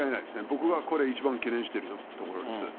僕がこれ、一番懸念してるところです。